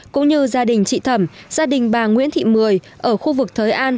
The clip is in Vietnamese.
cũng như gia đình chị thẩm gia đình bà nguyễn thị mười ở khu vực thới an